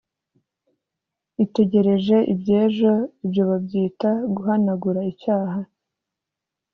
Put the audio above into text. itegereje iby'ejo. ibyo babyita guhanagura icyaha